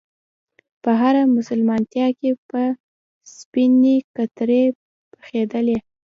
په هره میلمستیا کې به سپینې کترې پخېدلې.